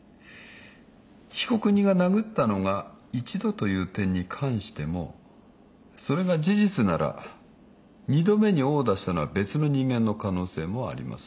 被告人が殴ったのが１度という点に関してもそれが事実なら２度目に殴打したのは別の人間の可能性もあります。